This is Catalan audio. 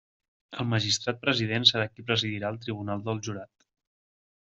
El Magistrat President serà qui presidirà el Tribunal del Jurat.